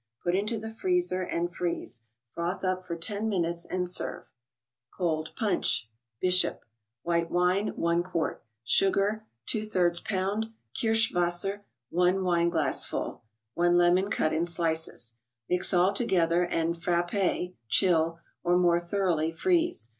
Put into the freezer, and freeze. Froth up for ten minutes and serve. Colt) IBUttcl) (13t#l)op). White wine, 1 qt.; Sugar, | lb.; Kirschwasser, 1 wineglassful; 1 Lemon cut in slices. Mix all together and frafiftt (chill) or more thoroughly freeze.